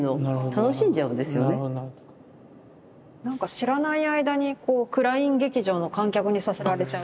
知らない間にクライン劇場の観客にさせられちゃう。